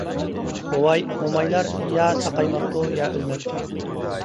بوۋاي، مومايلار يا ساقايماپتۇ يا ئۆلمەپتۇ.